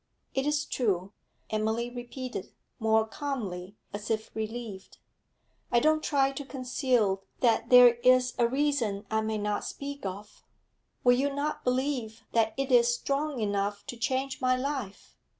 'It is true,' Emily repeated, more calmly, as if relieved. 'I don't try to conceal that there is a reason I may not speak of. Will you not believe that it is strong enough to change my life?